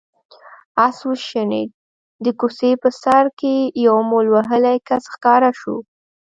آس وشڼېد، د کوڅې په سر کې يو مول وهلی کس ښکاره شو.